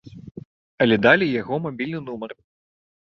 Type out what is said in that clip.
Але далі яго мабільны нумар.